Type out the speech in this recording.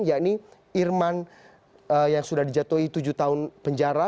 yakni irman yang sudah dijatuhi tujuh tahun penjara